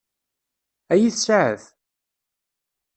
Ad iyi-tseɛef?